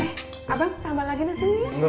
eh abang tambah lagi nasinya